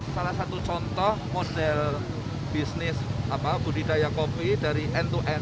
salah satu contoh model bisnis budidaya kopi dari end to end